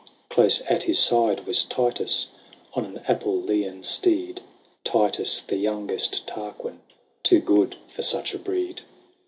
Close at his side w^as Titus On an Apulian steed, Titus, the youngest Tarquin, Too good for such a breed.